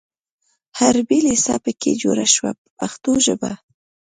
حربي لېسه په کې جوړه شوه په پښتو ژبه.